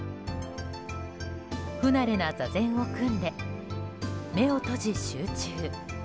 不慣れな座禅を組んで目を閉じ集中。